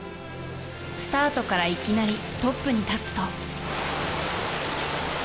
スタートからいきなりトップに立つと。